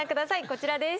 こちらです。